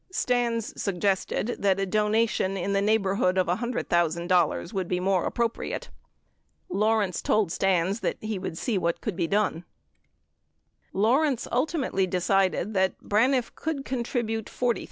Stans suggested that a donation in the neigh borhood of $100,000 would be more appropriate, Lawrence told Stans he would see what could lie done. Lawrence ultimately decided that Braniff would contribute $40,000.